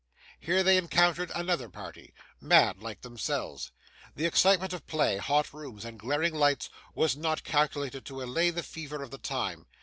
Here, they encountered another party, mad like themselves. The excitement of play, hot rooms, and glaring lights was not calculated to allay the fever of the time.